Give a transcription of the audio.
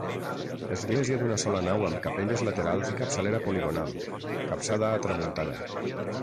Església d'una sola nau amb capelles laterals i capçalera poligonal, capçada a tramuntana.